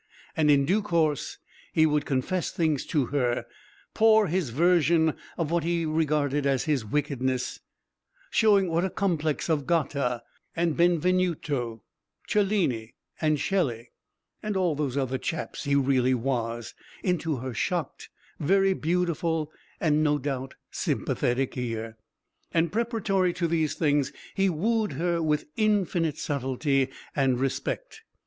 And in due course he would confess things to her, pour his version of what he regarded as his wickedness showing what a complex of Goethe, and Benvenuto Cellini, and Shelley, and all those other chaps he really was into her shocked, very beautiful, and no doubt sympathetic ear. And preparatory to these things he wooed her with infinite subtlety and respect.